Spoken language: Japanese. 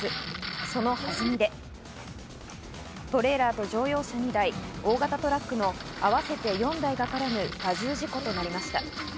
そのはずみでトレーラーと乗用車２台、大型トラックの合わせて４台が絡む多重事故となりました。